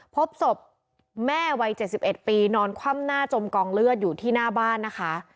พบศพแม่วัย๗๑ปีนอนคว่ำหน้าจมกองเลือดอยู่ที่หน้าบ้านนะคะ